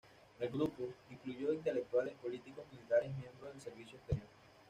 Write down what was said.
El grupo incluyó intelectuales, políticos, militares, miembros del servicio exterior.